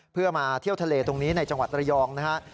เพื่อมาเที่ยวทะเลตรงนี้ในจังหวัดระยองนะครับ